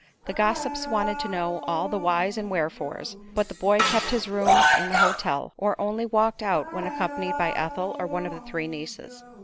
The gossips wanted to know all the whys and wherefores, but the boy kept his room in the hotel, or only walked out when accompanied by Ethel or one of the three nieces.